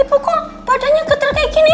ibu kok badannya ketat kayak gini